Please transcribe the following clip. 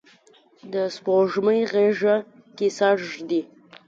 د سپوږمۍ غیږه کې سر ږدي